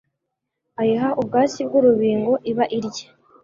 ayiha ubwatsi bw'urubingo iba irya.